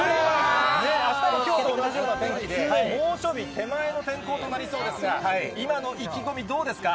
あしたもきょうと同じような天気で、猛暑日手前の天候となりそうですが、今の意気込み、どうですか。